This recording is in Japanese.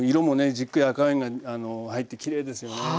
じっくり赤ワインが入ってきれいですよね。